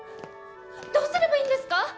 どうすればいいんですか？